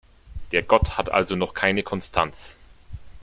Der Gott hat also noch keine Konstanz.